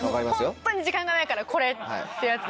ホントに時間がないからこれってやつですよ。